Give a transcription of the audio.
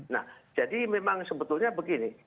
nah jadi memang sebetulnya begini